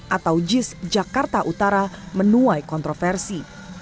atau jis jakarta utara menuai kontroversi